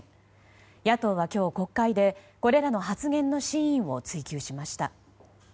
野党は今日国会で、これらの発言の真意を追求しました。